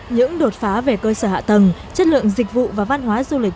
những đột phá về cơ sở hạ tầng chất lượng dịch vụ và văn hóa du lịch